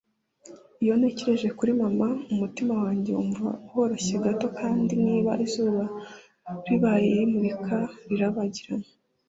iyo ntekereje kuri mama, umutima wanjye wumva woroshye gato kandi niba izuba ribaye rimurika rirabagirana